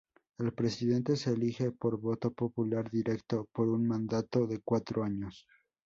El presidente se elige por voto popular directo para un mandato de cuatro años.